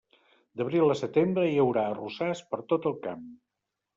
D'abril a setembre, hi haurà arrossars per tot el camp.